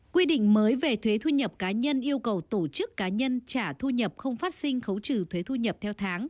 quy định mới về thuế thu nhập cá nhân yêu cầu tổ chức cá nhân trả thu nhập không phát sinh khấu trừ thuế thu nhập theo tháng